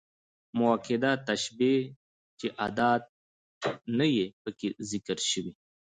مؤکده تشبيه، چي ادات نه يي پکښي ذکر سوي.